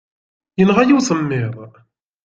Yenɣa-iyi usemmiḍ.